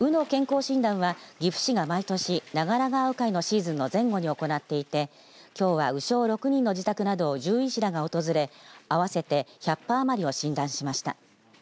鵜の健康診断は岐阜市が毎年長良川鵜飼のシーズンの前後に行っていてきょうは鵜匠６人の自宅など獣医師らが訪れ合わせて１００羽余りを診断しました。